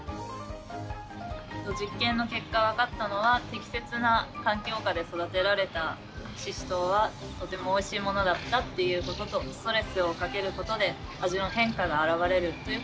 実験の結果分かったのは適切な環境下で育てられたシシトウはとてもおいしいものだったっていうこととストレスをかけることで味の変化があらわれるということが分かりました。